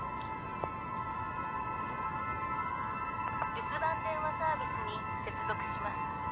留守番電話サービスに接続します。